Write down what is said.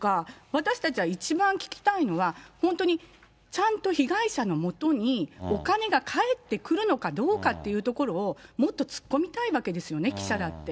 私たちが一番聞きたいのは、本当にちゃんと被害者のもとにお金が返ってくるのかどうかっていうところを、もっと突っ込みたいわけですよね、記者だって。